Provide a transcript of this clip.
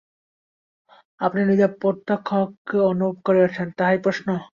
আপনি নিজে প্রত্যক্ষ কি অনুভব করিয়াছেন, তাহাই প্রশ্ন।